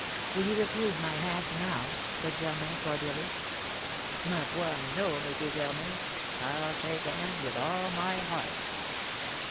"Will you refuse my hand now?" said Germain, cordially. "Ma foi! no, M. Germain! I'll shake hands with all my heart."